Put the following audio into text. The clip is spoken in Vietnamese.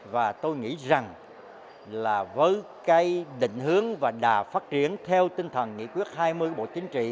và tôi nghĩ rằng là với cái định hướng và đà phát triển theo tinh thần nghị quyết hai mươi của bộ chính trị